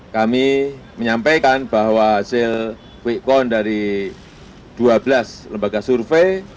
kami menyampaikan bahwa hasil quick count dari dua belas lembaga survei